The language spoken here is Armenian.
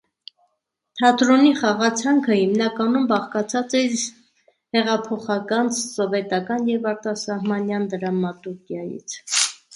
Թատրոնի խաղացանկը հիմնականում բաղկացած էր հեղափոխական սովետական և արտասահմանյան դրամատուրգիայից։